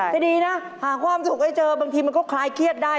จะดีนะหาความสุขให้เจอบางทีมันก็คลายเครียดได้